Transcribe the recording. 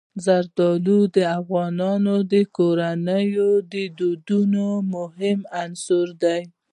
زردالو د افغان کورنیو د دودونو یو مهم عنصر دی.